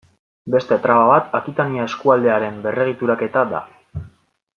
Beste traba bat Akitania eskualdearen berregituraketa da.